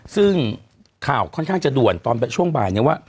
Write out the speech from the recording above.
ซึ่งข่าวค่อนข้างจะด่วนตอนช่วงบ่ายเนี่ยว่า